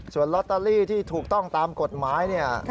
ส่วนลอตเตอรี่ที่ถูกต้องตามกฎหมายเนี่ย